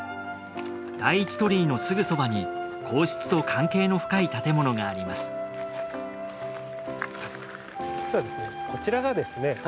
第一鳥居のすぐそばに皇室と関係の深い建物がありますそうですね。